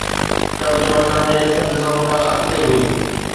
قرض وٺڻ ۾ سنڌ سڀ کان اڳتي هئي